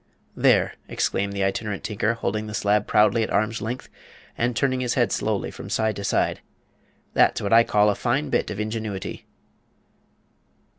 "There!" exclaimed the Itinerant Tinker, holding the slab proudly at arm's length and turning his head slowly from side to side, "that's what I call a fine bit of ingenuity!"